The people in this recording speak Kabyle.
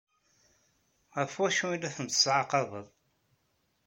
Ɣef wacu ay la ten-tettɛaqabeḍ?